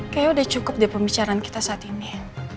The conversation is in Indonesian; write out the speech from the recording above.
kayaknya udah cukup deh pembicaraan kita saat ini